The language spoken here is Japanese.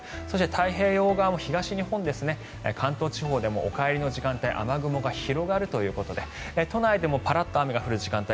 そして太平洋側も東日本、関東地方でもお帰りの時間帯雨雲が広がるということで都内でもパラッと雨が降る時間帯